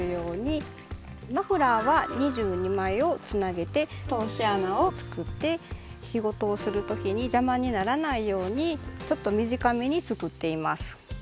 マフラーは２２枚をつなげて通し穴を作って仕事をする時に邪魔にならないようにちょっと短めに作っています。